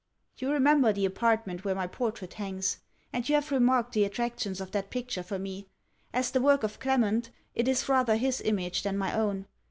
You remember the apartment where my portrait hangs; and you have remarked the attractions of that picture for me. As the work of Clement, it is rather his image than my own.